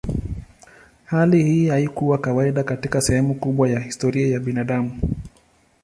Hali hii haikuwa kawaida katika sehemu kubwa ya historia ya binadamu.